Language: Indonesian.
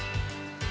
terima kasih dimas